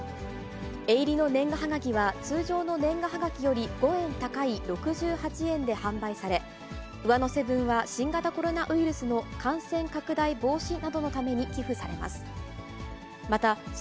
絵入りの年賀はがきは、通常の年賀はがきより５円高い６８円で販売され、上乗せ分は新型コロナウイルスの感染拡大防止などのために寄付されます。